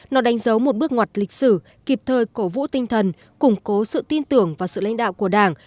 nó đánh dấu một bước ngoặt lịch sử kịp thời cổ vũ tinh thần củng cố sự tin tưởng và sự lãnh đạo của đảng